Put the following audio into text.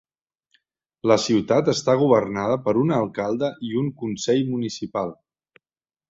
La ciutat està governada per un alcalde i un consell municipal.